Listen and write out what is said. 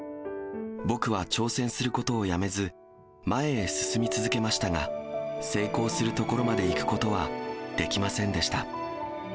僕は、挑戦することをやめず、前へ進み続けましたが、成功するところまで行くことはできませんでした。